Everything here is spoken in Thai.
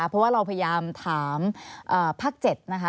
เพราะว่าเราพยายามถามภาค๗นะคะ